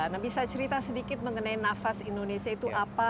nah bisa cerita sedikit mengenai nafas indonesia itu apa